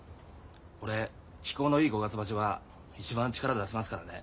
俺気候のいい五月場所が一番力出せますからね。